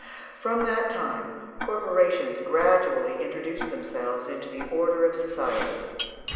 From that time corporations gradually introduced themselves into the order of society.